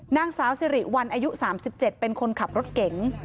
นางสาวสิริวัลอายุ๓๗เป็นคนขับรถเก๋ง